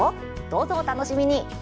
どうぞお楽しみに。